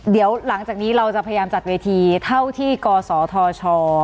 เดี๋ยวหลังจากนี้เราจะพยายามจัดเวทีเท่าที่กศธช